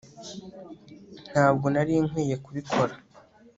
Ntabwo nari nkwiye kubikora